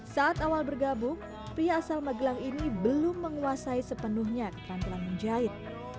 saat awal bergabung pria asal magelang ini belum menguasai sepenuhnya keterampilan menjahit